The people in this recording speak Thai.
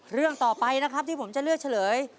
เรื่องต่อไปนะครับที่ผมจะเลือกเฉลย